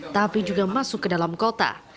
tapi juga masuk ke dalam kota